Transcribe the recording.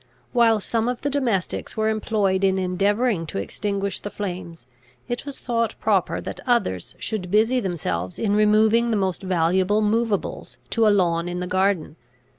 While some of the domestics were employed in endeavouring to extinguish the flames, it was thought proper that others should busy themselves in removing the most valuable moveables to a lawn in the garden.